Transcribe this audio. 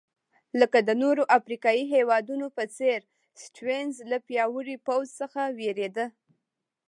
لکه د نورو افریقایي هېوادونو په څېر سټیونز له پیاوړي پوځ څخه وېرېده.